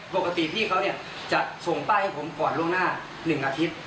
ปกติพี่เขาจะส่งป้ายให้ผมก่อนล่วงหน้า๑อาทิตย์